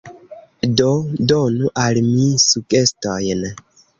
Do donu al mi sugestojn.